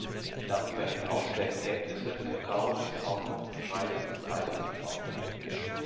Darüber hinaus werden Erdnüsse, Kakao, Sorghum, Reis und Mais angebaut.